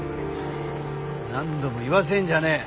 何度も言わせんじゃねえ。